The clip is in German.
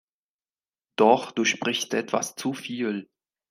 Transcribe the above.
Doch Du sprichst etwas zu viel.